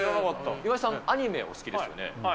岩井さん、アニメお好きですはい。